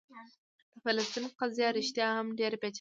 د فلسطین قضیه رښتیا هم ډېره پېچلې ده.